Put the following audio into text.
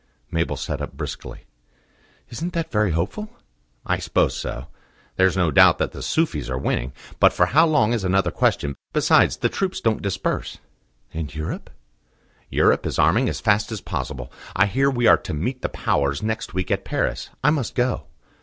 Mabel sat up briskly. "Isn't that very hopeful?" "I suppose so. There's no doubt that the Sufis are winning; but for how long is another question. Besides, the troops don't disperse." "And Europe?" "Europe is arming as fast as possible. I hear we are to meet the Powers next week at Paris. I must go."